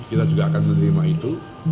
kita juga akan menerima itu